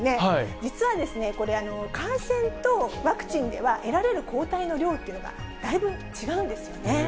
実はこれ、感染とワクチンでは、得られる抗体の量というのが、だいぶ違うんですよね。